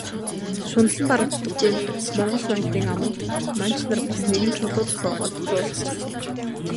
Шунал нь барагддаггүй монгол ноёдын аманд манж нар бас нэгэн чулуу зохиогоод зуулгачихсан.